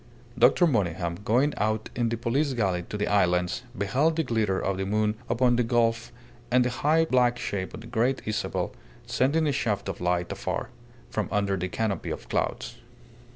Dr. Monygham, going out in the police galley to the islands, beheld the glitter of the moon upon the gulf and the high black shape of the Great Isabel sending a shaft of light afar, from under the canopy of clouds.